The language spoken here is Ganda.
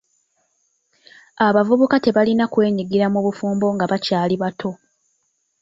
Abavubuka tebalina kwenyigira mu bufumbo nga bakyali bato.